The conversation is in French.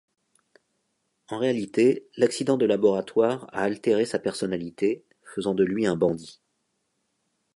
En réalité, l'accident de laboratoire a altéré sa personnalité, faisant de lui un bandit.